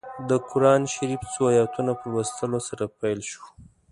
د قران شریف څو ایتونو په لوستلو سره پیل شوه.